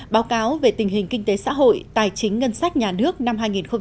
báo cáo về tình hình kinh tế xã hội tài chính ngân sách nhà nước năm hai nghìn một mươi tám